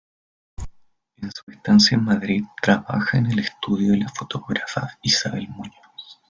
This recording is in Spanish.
En su estancia en Madrid trabaja en el Estudio de la fotógrafa Isabel Muñoz.